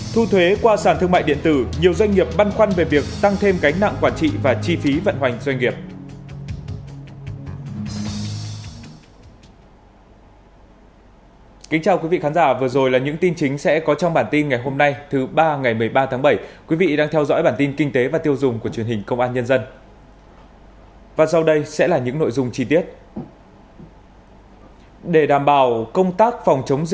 thu thuế qua sản thương mại điện tử nhiều doanh nghiệp băn khoăn về việc tăng thêm gánh nặng quản trị và chi phí vận hoành doanh nghiệp